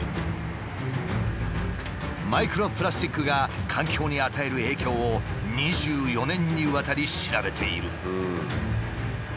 マイクロプラスチックが環境に与える影響を２４年にわたり調べている。